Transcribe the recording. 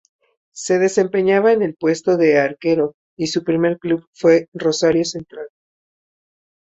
Se desempeñaba en el puesto de arquero y su primer club fue Rosario Central.